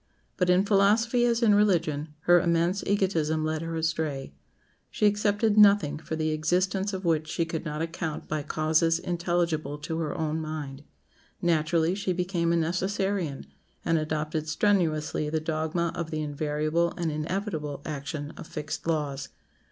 But in philosophy as in religion, her immense egotism led her astray. She accepted nothing for the existence of which she could not account by causes intelligible to her own mind. Naturally she became a Necessarian, and adopted strenuously the dogma of the invariable and inevitable action of fixed laws.